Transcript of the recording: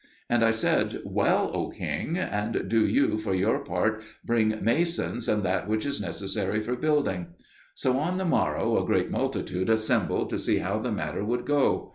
And I said, "Well, O king; and do you for your part bring masons and that which is necessary for building." So on the morrow a great multitude assembled to see how the matter would go.